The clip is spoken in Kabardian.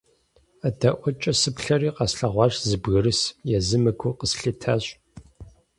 АдэӀуэкӀэ сыплъэри къэслъэгъуащ зы бгырыс, езыми гу къыслъитащ.